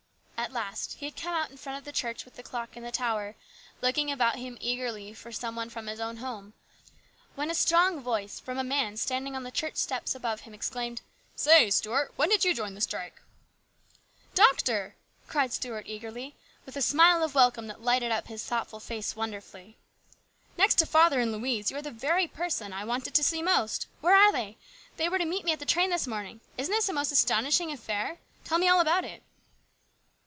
At last he had come out in front of the church with the clock in the tower, looking about him eagerly for some one from his own home, when a strong voice from a man standing on the church steps above him exclaimed :" Say, Stuart, when did you join the strike ?"" Doctor !" cried Stuart eagerly, with a smile of welcome that lighted up his thoughtful face wonder fully ;" next to father and Louise, you are the very person I wanted to see most. Where are they ? They were to meet me at the train this morning. Isn't this a most astonishing affair ? Tell me all about it."